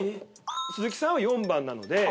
鈴木さんは４番なので。